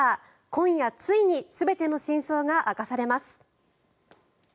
今夜ついに全ての真相が明かされます。